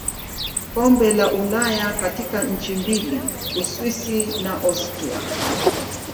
Kombe la Ulaya katika nchi mbili Uswisi na Austria.